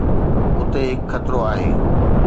اتي هڪ خطرو آهي.